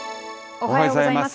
おはようございます。